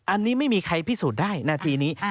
อันนี้ไม่มีใครพิสูจน์ได้นาทีนี้